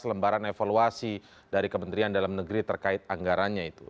lembaran evaluasi dari kementerian dalam negeri terkait anggarannya itu